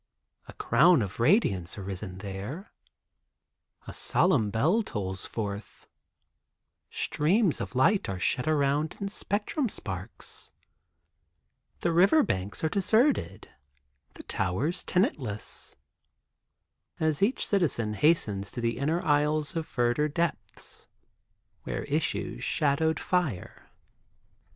A Crown of Radiance arisen there. A solemn bell tolls forth; streams of light are shed around in spectrum sparks; the river banks are deserted; the towers tenantless, as each citizen hastens to the inner aisles of verdure depths, where issues shadowed fire.